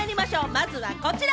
まずはこちら。